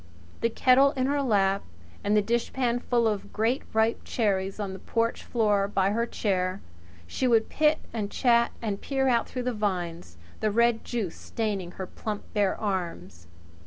The kettle in her lap and the dishpan full of great ripe cherries on the porch floor by her chair, she would pit and chat and peer out through the vines, the red juice staining her plump bare arms.